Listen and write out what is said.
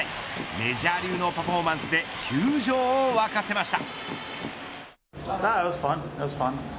メジャー流のパフォーマンスで球場を沸かせました。